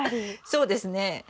そうですね。